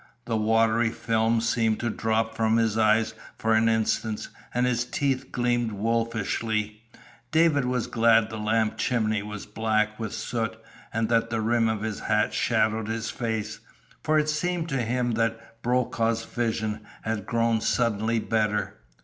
The watery film seemed to drop from his eyes for an instant and his teeth gleamed wolfishly. David was glad the lamp chimney was black with soot, and that the rim of his hat shadowed his face, for it seemed to him that Brokaw's vision had grown suddenly better.